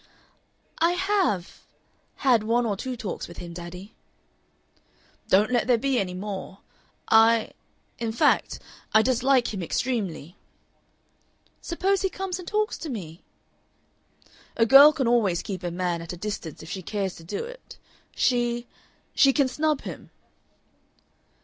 "I HAVE had one or two talks with him, daddy." "Don't let there be any more. I In fact, I dislike him extremely." "Suppose he comes and talks to me?" "A girl can always keep a man at a distance if she cares to do it. She She can snub him."